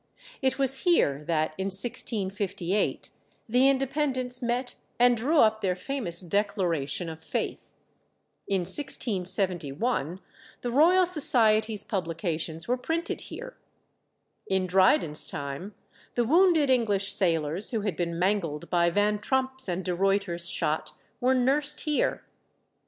It was here that, in 1658, the Independents met and drew up their famous Declaration of Faith. In 1671 the Royal Society's publications were printed here. In Dryden's time, the wounded English sailors who had been mangled by Van Tromp's and De Ruyter's shot were nursed here.